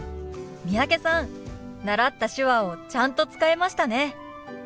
三宅さん習った手話をちゃんと使えましたね。